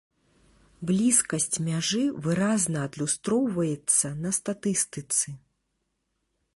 Блізкасць мяжы выразна адлюстроўваецца на статыстыцы.